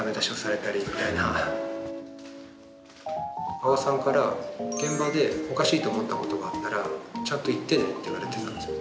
加賀さんから、現場でおかしいと思ったことがあったらちゃんと言ってねって言われてたんですけど。